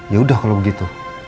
yaudah kalau begitu